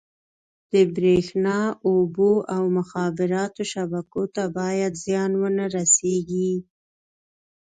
د بریښنا، اوبو او مخابراتو شبکو ته باید زیان ونه رسېږي.